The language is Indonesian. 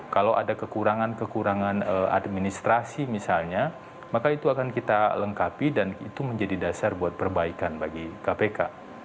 kalau ada kekurangan kekurangan administrasi misalnya maka itu akan kita lengkapi dan itu menjadi dasar buat perbaikan bagi kpk